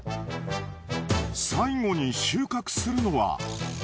最後に収穫するのは。